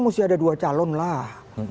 mesti ada dua calon lah